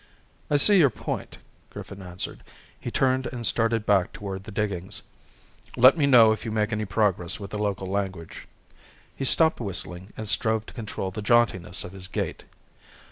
"I see your point," Griffin answered. He turned and started back toward the diggings. "Let me know it you make any progress with the local language." He stopped whistling and strove to control the jauntiness of his gait.